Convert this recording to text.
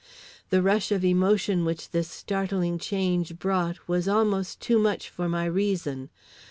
The rush of emotion which this startling change brought was almost too much for my reason.